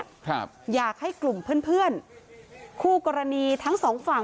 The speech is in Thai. ครับอยากให้กลุ่มเพื่อนเพื่อนคู่กรณีทั้งสองฝั่ง